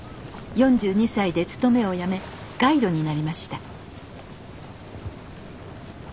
４２歳で勤めを辞めガイドになりました。